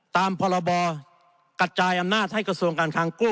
ตามพรบกระจายอำนาจให้กระทรวงการคังกู้